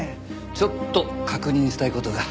ちょっと確認したい事が。